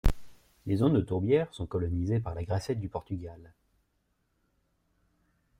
Les zones de tourbière sont colonisées par la grassette du Portugal.